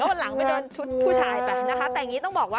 แล้วคนนี้ลงไปโดนชุดผู้ชายไปนะคะ